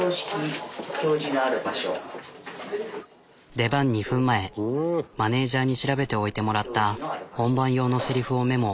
出番２分前マネジャーに調べておいてもらった本番用のセリフをメモ。